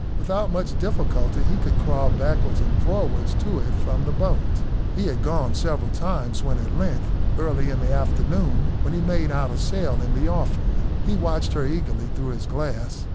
Without much difficulty he could crawl backwards and forwards to it from the boat. He had gone several times, when at length, early in the afternoon, he made out a sail in the offing. He watched her eagerly through his glass.